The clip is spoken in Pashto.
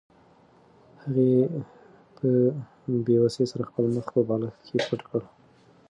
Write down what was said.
هغې په بې وسۍ سره خپل مخ په بالښت کې پټ کړ.